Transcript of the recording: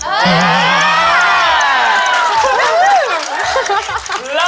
พระเจ้าตากศิลป์